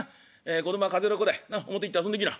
子供は風の子だい表行って遊んできな。